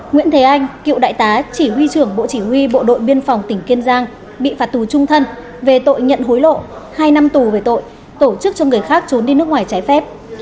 nguyễn thế anh cựu đại tá chỉ huy trưởng bộ chỉ huy bộ đội biên phòng tỉnh kiên giang bị phạt tù trung thân về tội nhận hối lộ hai năm tù về tội tổ chức cho người khác trốn đi nước ngoài trái phép